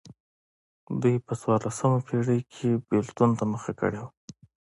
دوی په څوارلسمه پېړۍ کې بېلتون ته مخه کړې وه.